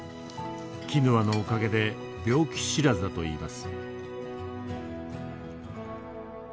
キヌアのおかげで病気知らずだといいます。